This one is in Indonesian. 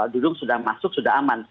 dudung sudah masuk sudah aman